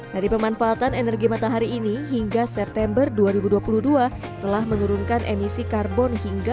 dari pemanfaatan energi matahari ini hingga september dua ribu dua puluh dua telah menurunkan emisi karbon hingga empat ratus enam puluh delapan